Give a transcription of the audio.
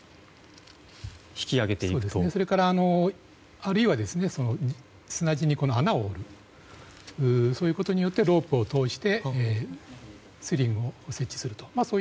それから、あるいは砂地に穴を掘るそういうことでロープを通してスリングを設置すると。